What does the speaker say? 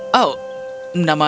kupikir kau sudah melakukannya buah